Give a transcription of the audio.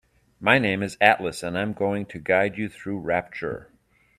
My name is Atlas and I'm going to guide you through Rapture.